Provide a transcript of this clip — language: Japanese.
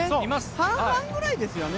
半々くらいですよね。